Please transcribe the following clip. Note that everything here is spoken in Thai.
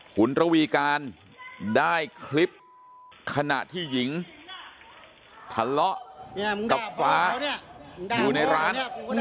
คุณระวีการได้คลิปขณะที่หญิงทะเลาะกับฟ้าอยู่ในร้าน